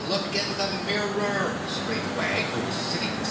Look in the mirror!" screamed Wag, who was sitting beside Peg Amy.